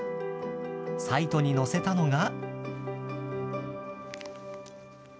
サイトに載せたのが。